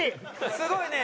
すごいね。